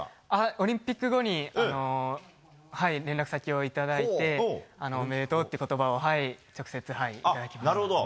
オリンピック後に連絡先をいただいておめでとうという言葉を直接いただきました。